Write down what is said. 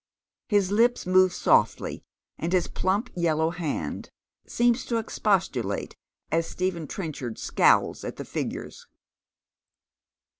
His lips move softly, and his plump yellow hand seems to expostulate as Stephen Trenchard scowls at tlie figures.